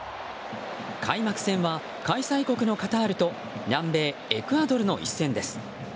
開幕戦は開催国のカタールと南米エクアドルの一戦です。